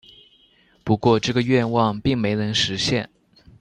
不过这个愿望并没能实现。